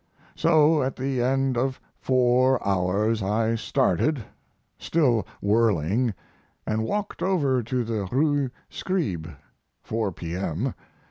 So, at the end of four hours I started, still whirling, and walked over to the rue Scribe 4 p.m.